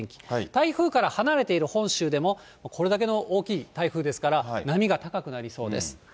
台風から離れている本州でも、これだけの大きい台風ですから、波が高くなりそうです。